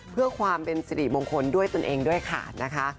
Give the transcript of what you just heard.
เพื่อความเป็นสิริมงคลด้วยตนเองด้วยค่ะนะคะ